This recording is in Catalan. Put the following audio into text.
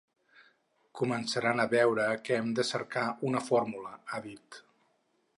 Començaran a veure que hem de cercar una fórmula, ha dit.